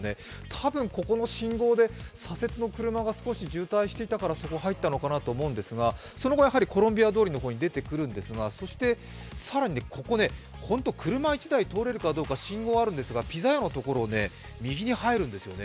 多分ここの信号で左折の車が少し渋滞していたからそこに入ったのかなと思うんですがその後、やはりコロンビア通りの方に出てくるんですが、そこでピザ屋のところを右に入るんですよね